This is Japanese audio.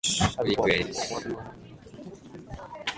週末ごとに家族だんらんを求める